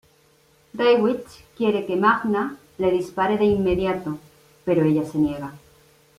Dwight quiere que Magna le dispare de inmediato, pero ella se niega.